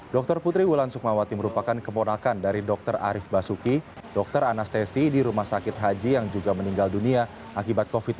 dr putri wulan sukmawati merupakan keponakan dari dr arief basuki dokter anestesi di rumah sakit haji yang juga meninggal dunia akibat covid sembilan belas